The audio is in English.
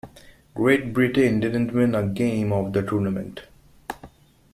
Great Britain didn't win a game of the tournament.